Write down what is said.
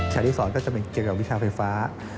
ชาติที่สอนก็จะเกี่ยวกับวิชาไฟฟ้า